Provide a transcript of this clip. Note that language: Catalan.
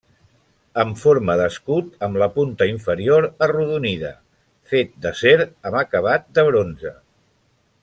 Amb forma d'escut amb la punta inferior arrodonida, fet d'acer amb acabat de bronze.